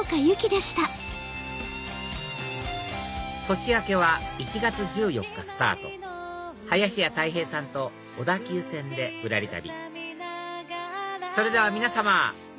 年明けは１月１４日スタート林家たい平さんと小田急線でぶらり旅